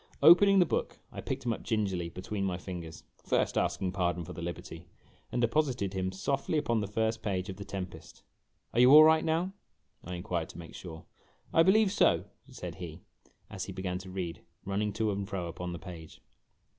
Opening the book, I picked him up gingerly between my fingers, first asking pardon for the liberty, and deposited him softly upon the first page of "The Tempest." " Are you all right now ?" I inquired, to make sure. "I believe so," said he, as he began to read running to and 78 IMAGINOTIONS fro upon the page.